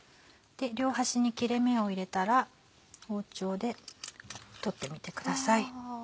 両端に切れ目を入れたら包丁で取ってみてください。